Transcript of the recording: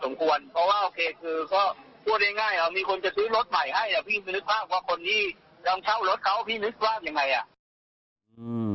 พี่นึกว่าว่าคนนี้ยังเช่ารถเขาพี่นึกว่าเป็นยังไง